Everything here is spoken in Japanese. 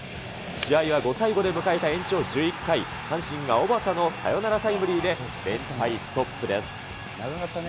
試合は５対５で迎えた延長１１回、阪神が小幡のサヨナラタイムリーで連敗ストップです。